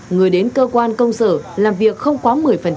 người đến cơ quan công sở làm việc không quá một mươi